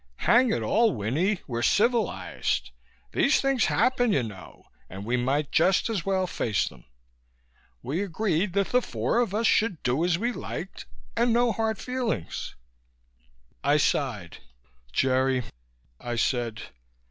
Hang it all, Winnie, we're civilized. These things happen, you know, and we might just as well face them. We agreed that the four of us should do as we liked, and no hard feelings." I sighed. "Jerry," I said.